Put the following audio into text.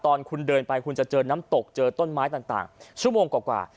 ตอนคุณเดินไปคุณจะเจอน้ำตกเจอต้นไม้ต่างชั่วโมงกว่า